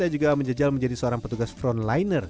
ia juga menjejal menjadi seorang petugas frontliner